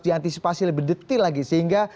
diantisipasi lebih detail lagi sehingga